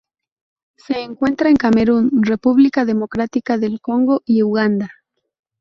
Se encuentra en Camerún República Democrática del Congo y Uganda.